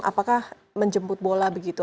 apakah menjemput bola begitu